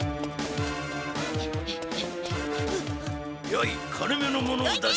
やい金めのものを出し。